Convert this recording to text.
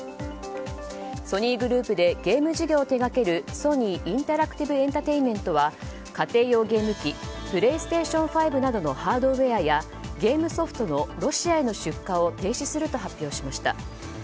ソニーグループでゲーム事業を手掛けるソニー・インタラクティブエンタテインメントは家庭用ゲーム機プレイステーション５などのハードウェアや、ゲームソフトのロシアへの出荷を停止すると発表しました。